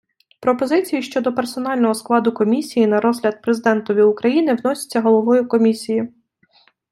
Пропозиції щодо персонального складу Комісії на розгляд Президентові України вносяться головою Комісії.